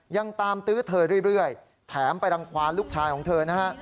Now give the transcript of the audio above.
ยังตามตื้อเธอเรื่อยแถมไปรังความลูกชายของเธอนะฮะ